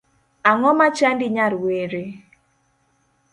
Ang'o machandi nyar were?